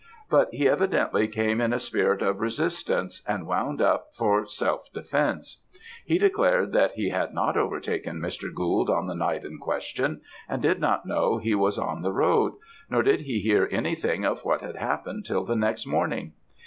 But he evidently came in a spirit of resistance and wound up for self defence. He declared that he had not overtaken Mr. Gould on the night in question, and did not know he was on the road; nor did he hear anything of what had happened till the next morning.